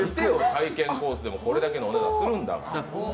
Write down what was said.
体験コースでも、これだけのお値段するんだから。